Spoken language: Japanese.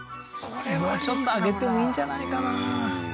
もうちょっと上げてもいいんじゃないかな？